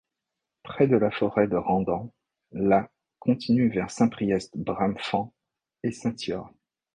Près de la forêt de Randan, la continue vers Saint-Priest-Bramefant et Saint-Yorre.